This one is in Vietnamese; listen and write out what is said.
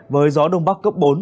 với gió đông bắc cấp bốn